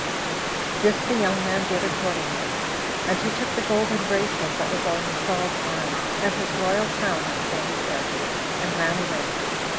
This the young man did accordingly; and he took the golden bracelet that was on Saul's arm, and his royal crown that was on his head, and ran away.